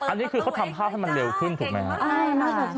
อันนี้คือเขาทำภาพให้มันเร็วขึ้นถูกไหมครับ